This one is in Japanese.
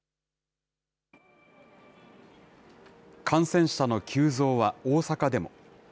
感染者の急増は大阪でも。